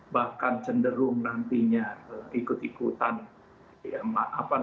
bahkan cenderung nantinya ikut ikutan masih berkumpul